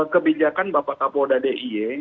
kebijakan bapak kapolda d i e